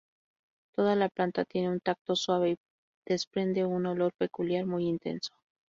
Toda la planta tiene un tacto suave y desprende un olor peculiar muy intenso.